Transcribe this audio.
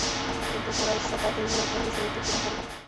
কিন্তু কুরাইশরা তাঁর হিজরতের বিষয়টি জেনে ফেলল।